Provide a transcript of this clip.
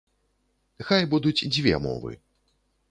Хай будуць дзве мовы.